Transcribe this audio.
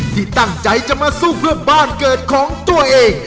ที่ตั้งใจจะมาสู้เพื่อบ้านเกิดของตัวเอง